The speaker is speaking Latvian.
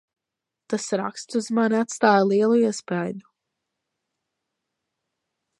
Tas raksts uz mani atstāja lielu iespaidu.